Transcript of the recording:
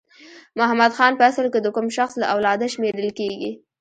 محمد خان په اصل کې د کوم شخص له اولاده شمیرل کیږي؟